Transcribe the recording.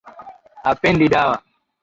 Hapendi dawa